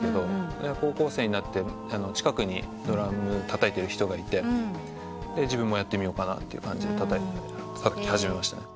高校生になって近くにドラムをたたいてる人がいて自分もやってみようかなって感じでたたき始めましたね。